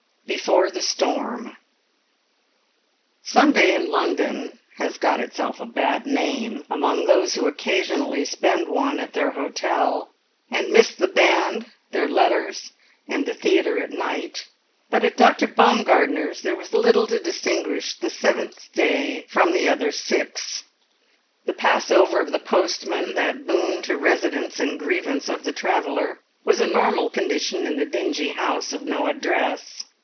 BEFORE THE STORM Sunday in London has got itself a bad name among those who occasionally spend one at their hotel, and miss the band, their letters, and the theatre at night; but at Dr. Baumgartner's there was little to distinguish the seventh day from the other six. The passover of the postman, that boon to residents and grievance of the traveller, was a normal condition in the dingy house of no address.